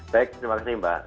baik terima kasih mbak